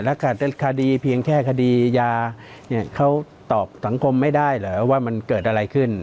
แล้วขาดเต้นคดีเพียงแค่คดียาเนี่ยเขาตอบสังคมไม่ได้เหรอว่ามันเกิดอะไรขึ้น